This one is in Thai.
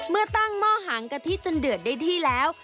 เมื่อตั้งหม้อหางกะทิจนเดือดได้ที่แล้ว